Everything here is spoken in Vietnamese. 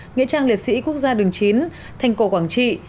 nghĩa trang liệt sĩ quốc gia đường chín thành cổ quảng trị